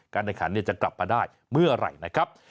ในขันจะกลับมาได้เมื่อไหร่นะครับ